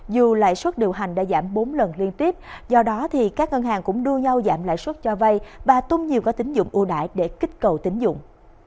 dù lãi suất điều hành đã giảm bốn lần liên tiếp do đó thì các ngân hàng cũng đua nhau giảm lãi suất cho vay và tung nhiều có tín dụng ưu đãi để kích cầu tín dụng